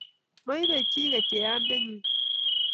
Moipe chi kecheiyan nde nyun.